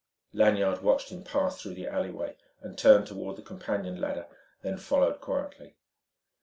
Lanyard watched him pass through the alleyway and turn toward the companion ladder, then followed quietly.